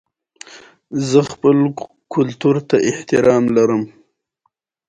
لعل د افغانستان د امنیت په اړه هم اغېز لري.